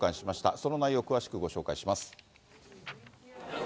その内容を詳しくご紹介します。